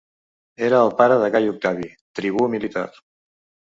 Era el pare de Gai Octavi, tribú militar.